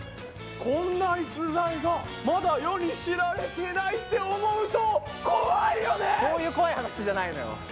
こんな逸材がまだ世に知られてないって思うとそういう怖い話じゃないのよ。